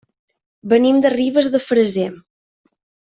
Venim de Ribes de Freser.